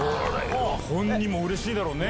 本人もうれしいだろうね。